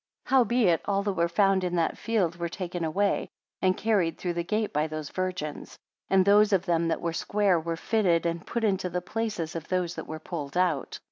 Howbeit, all that were found in that field were taken away, and carried through the gate by those virgins; and those of them that were square were fitted and put into the places of those that were pulled out.